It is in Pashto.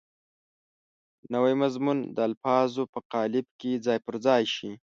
نوی مضمون د الفاظو په قالب کې ځای پر ځای شي.